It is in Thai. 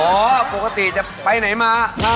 โอ้ยปกติจะไปไหนมา